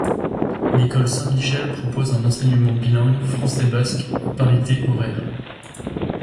L'école Saint-Michel propose un enseignement bilingue français-basque à parité horaire.